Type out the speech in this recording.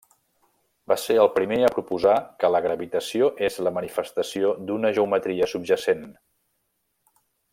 Va ser el primer a proposar que la gravitació és la manifestació d'una geometria subjacent.